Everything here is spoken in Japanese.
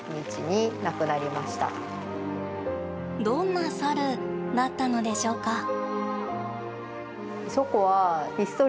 どんなサルだったのでしょうか？